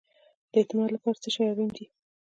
د اعتماد لپاره څه شی اړین دی؟